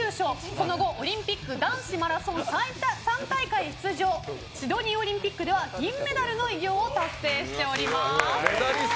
その後、オリンピック男子マラソン３大会出場シドニーオリンピックでは銀メダルの偉業を達成しました。